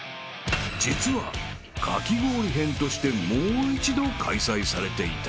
［実はかき氷編としてもう一度開催されていた］